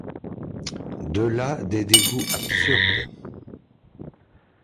De là des dégoûts absurdes.